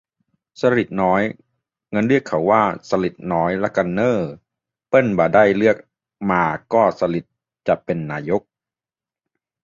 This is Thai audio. "สฤษฎิ์น้อย" งั้นเรียกเขาว่า "สลิดน้อย" ละกันเน่อ เปิ้นบ่ะได้เลือกมาก็สลิดจะเป๋นนายก